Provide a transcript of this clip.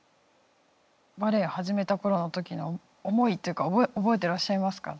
バレエを始めた頃の時の思いっていうか覚えてらっしゃいますか？